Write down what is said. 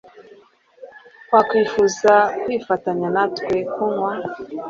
Wakwifuza kwifatanya natwe kunywa?